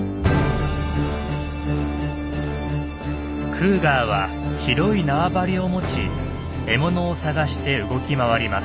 クーガーは広い縄張りを持ち獲物を探して動き回ります。